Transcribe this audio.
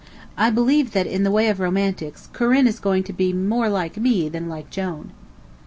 I believe that, in the way of romantics, Corinne is going to be more like me than like Jone.